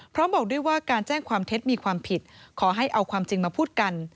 บอกด้วยว่าการแจ้งความเท็จมีความผิดขอให้เอาความจริงมาพูดกัน